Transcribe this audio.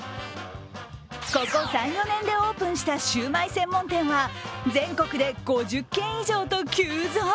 ここ３４年でオープンしたシュウマイ専門店は全国で５０軒以上と急増！